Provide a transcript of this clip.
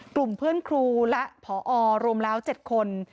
กลุ่มเพื่อนครูและผอรวมแล้ว๗คน